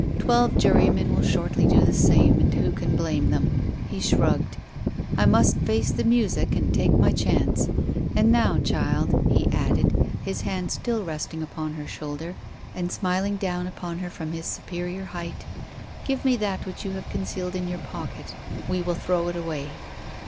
Twelve jurymen will shortly do the same, and who can blame them?" He shrugged. "I must face the 'music' and take my chance. And now, child," he added, his hand still resting upon her shoulder, and smiling down upon her from his superior height, "give me that which you have concealed in your pocket. We will throw it away."